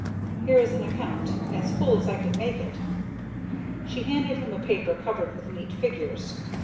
Here is an account as full as I could make it." She handed him a paper covered with neat figures.